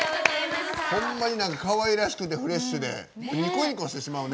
ほんまにかわいらしくてフレッシュでニコニコしてしまうね。